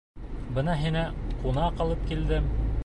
Бына һиңә ҡунаҡ алып килдем.